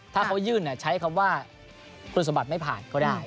ถ้าเขายื่นใช้คำว่าคุณสมบัติไม่ผ่านก็ได้